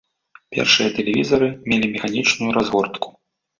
Першыя тэлевізары мелі механічную разгортку.